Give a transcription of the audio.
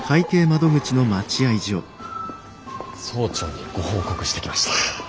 総長にご報告してきました！